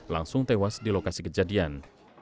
langsung tewas di lokasi kejadian